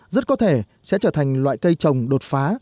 rất có thể sẽ trở thành loại cây trồng đột phá